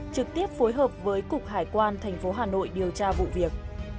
trực tiếp phối hợp với cục hải quan thành phố hà nội điều tra vụ việc